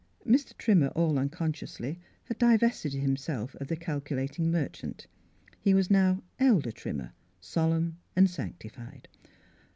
Mr. Trimmer all unconsciously had di "vested himself of the calculating merchant. IHe was now Elder Trimmer, solemn .and sanctified.